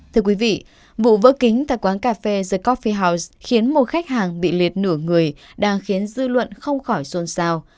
thưa quý vị vụ vỡ kính tại quán cà phê jacobh phi house khiến một khách hàng bị liệt nửa người đang khiến dư luận không khỏi xôn xao